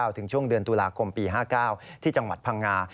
ถึงช่วงเดือนตุลาคมปี๕๙ที่จังหวัดพังงา